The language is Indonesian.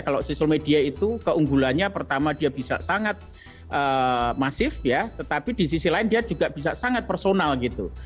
kalau social media itu keunggulannya pertama dia bisa sangat masif ya tetapi di sisi lain dia juga bisa sangat personal gitu